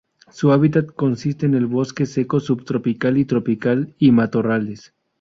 Su hábitat consiste de bosque seco subtropical y tropical y matorrales.